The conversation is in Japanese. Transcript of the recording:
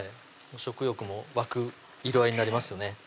食欲も湧く色合いになりますよね